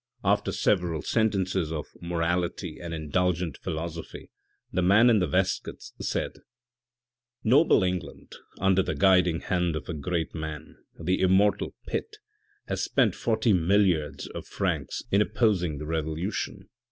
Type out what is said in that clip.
After several sentences of morality and indulgent philosophy the man in the waistcoats said, " Noble England, under the guiding hand of a great man, the immortal Pitt, has spent forty milliards of francs in opposing the revolution.